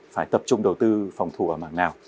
phải tập trung đầu tư phòng thủ ở mảng nào